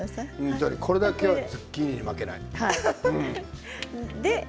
これだけはズッキーニに負けない。